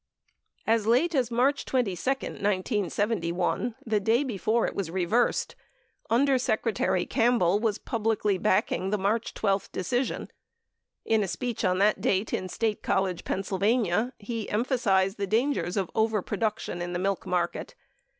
97 As late as March 22, 1971 — the day before it was reversed — Under Secretary Campbell was publicly backing the March 12 decision. Tn a speech on that date in State College, Pa., he emphasized the dangers of overproduction in the milk market.